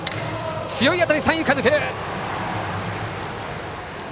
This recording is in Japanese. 強い当たり、三遊間を抜けた！